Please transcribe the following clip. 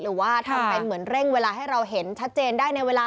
หรือว่าทำเป็นเหมือนเร่งเวลาให้เราเห็นชัดเจนได้ในเวลา